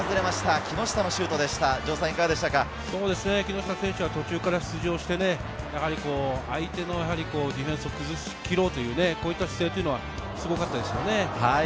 木下選手は途中から出場して、相手のディフェンスを崩しきろうという、こういった姿勢というのはすごかったですね。